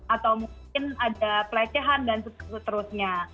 atau mungkin ada pelecehan dan seterusnya